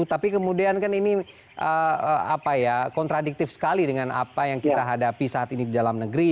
tapi kemudian kan ini kontradiktif sekali dengan apa yang kita hadapi saat ini di dalam negeri